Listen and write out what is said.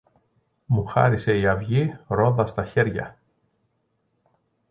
μου χάρισε η αυγή ρόδα στα χέρια.